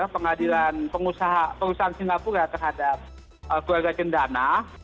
pengadilan perusahaan singapura terhadap keluarga cendana